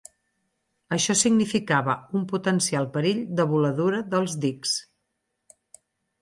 Això significava un potencial perill de voladura dels dics.